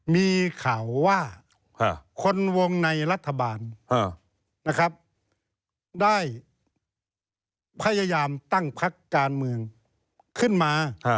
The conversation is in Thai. มีข่าวว่าคนวงในรัฐบาลนะครับได้พยายามตั้งพักการเมืองขึ้นมา